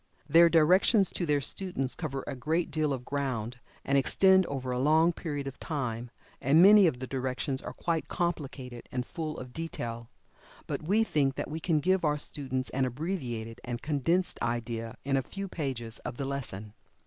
Their directions to their students cover a great deal of ground, and extend over a long period of time, and many of the directions are quite complicated and full of detail. But we think that we can give our students an abbreviated and condensed idea in a few pages of the lesson.